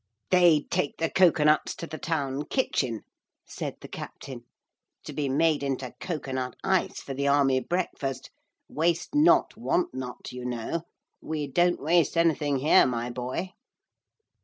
'They take the cocoa nuts to the town kitchen,' said the captain, 'to be made into cocoa nut ice for the army breakfast; waste not want not, you know. We don't waste anything here, my boy.'